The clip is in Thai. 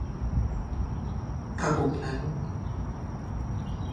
ระบบนั้น